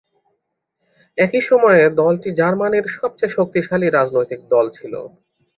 একই সময়ে দলটি জার্মানির সবচেয়ে শক্তিশালী রাজনৈতিক দল ছিল।